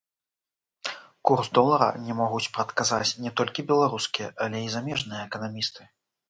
Курс долара не могуць прадказаць не толькі беларускія, але і замежныя эканамісты.